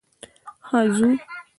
هو ځو.